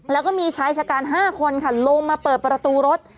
แล้วก็มีชายชะกัน๕คนค่ะลงมาเปิดประตูรถ